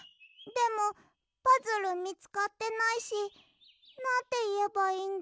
でもパズルみつかってないしなんていえばいいんだろ？